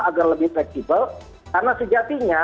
agar lebih fleksibel karena sejatinya